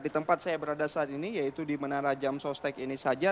di tempat saya berada saat ini yaitu di menara jam sostek ini saja